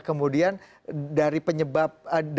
kemudian dari penyebab